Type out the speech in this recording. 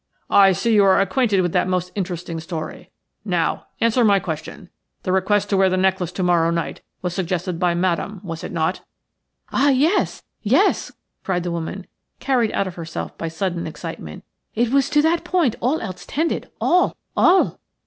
"I see you are acquainted with that most interesting story. Now, answer my question. The request to wear the necklace to morrow night was suggested by Madame, was it not?" "Ah, yes – yes!" cried the woman, carried out of herself by sudden excitement. "It was to that point all else tended – all, all!"